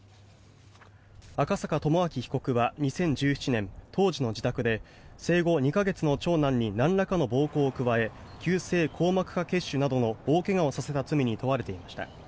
赤阪友昭被告は２０１７年当時の自宅で生後２か月の長男になんらかの暴行を加え急性硬膜下血腫などの大怪我をさせた罪に問われていました。